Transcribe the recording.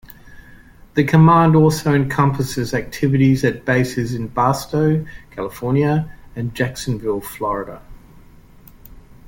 The command also encompasses activities at bases in Barstow, California, and Jacksonville, Florida.